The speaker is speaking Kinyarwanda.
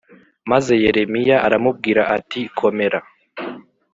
maze Yeremiya aramubwira ati komera